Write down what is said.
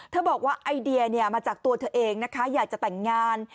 บอกว่าไอเดียมาจากตัวเธอเองนะคะอยากจะแต่งงาน